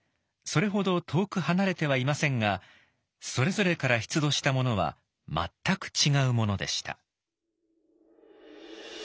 それほど遠く離れてはいませんがそれぞれから出土したものは全く違うものでした。